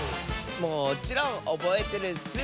もちろんおぼえてるッス！